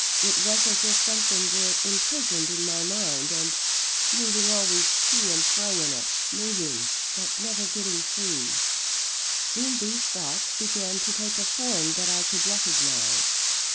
It was as if something were imprisoned in my mind, and moving always to and fro in it moving, but never getting free. Soon, these thoughts began to take a form that I could recognise.